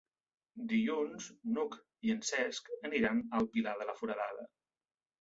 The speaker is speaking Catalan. Dilluns n'Hug i en Cesc aniran al Pilar de la Foradada.